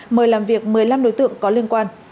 mời làm việc một mươi năm đối tượng có liên quan